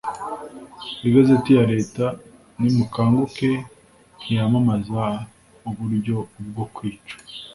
Igazeti ya leta Nimukanguke ntiyamamaza uburyo ubwo kwica